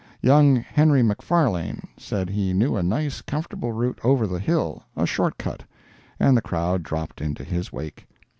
Young Henry McFarlane said he knew a nice, comfortable route over the hill—a short cut—and the crowd dropped into his wake.